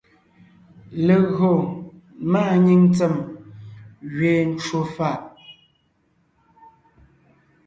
Légÿo máanyìŋ ntsèm gẅeen ncwò fàʼ,